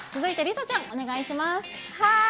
続いて、梨紗ちゃんお願いします。